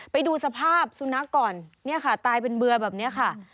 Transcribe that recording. ไปดูสภาพสุนัขก่อนเนี่ยค่ะตายเป็นเบื่อแบบนี้ค่ะ